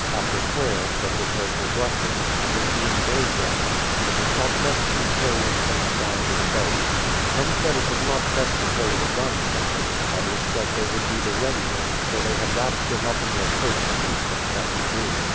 After prayer they prepared for breakfast, and it being day dawning, it was thought best to be carrying THE PLYIViOUTII SETTLEIVIENT 71 things down to the boat. Some said it was not best lo carry the guns down; others said they would be the readier, for they had wrapped them up in their coats to keep them from the dew.